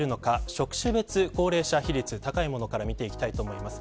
職種別高齢者比率高いものから見ていきます。